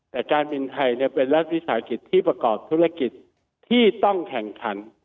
แต่การบินไทยเป็นรัฐวิสาหกิจที่ประกอบธุรกิจที่ต้องแข่งขัน